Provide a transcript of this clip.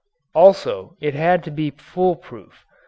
Also it had to be fool proof.